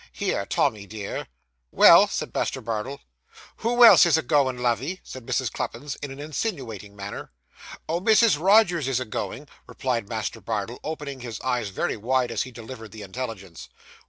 Here, Tommy, dear.' 'Well,' said Master Bardell. 'Who else is a goin', lovey?' said Mrs. Cluppins, in an insinuating manner. 'Oh! Mrs. Rogers is a goin',' replied Master Bardell, opening his eyes very wide as he delivered the intelligence.